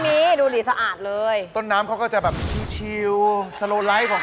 หมายเลข๕กระบอกอเนกประสงค์